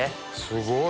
すごい！